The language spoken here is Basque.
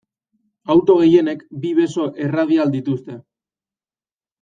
Auto gehienek bi beso erradial dituzte.